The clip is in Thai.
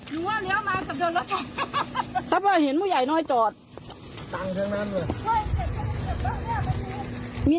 มีน้ำบัตรแกด้วยเนี่ย